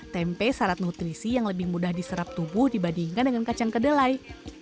tempe syarat nutrisi yang lebih mudah diserap tubuh dibandingkan dengan kacang kedelai